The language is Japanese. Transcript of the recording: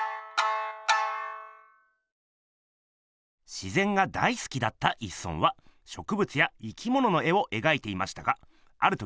自ぜんが大すきだった一村はしょくぶつや生きものの絵をえがいていましたがある時